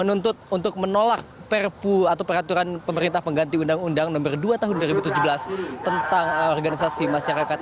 menuntut untuk menolak perpu atau peraturan pemerintah pengganti undang undang nomor dua tahun dua ribu tujuh belas tentang organisasi masyarakat